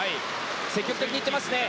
積極的にいっていますね。